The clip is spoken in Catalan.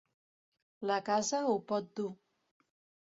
La casa ho pot dur.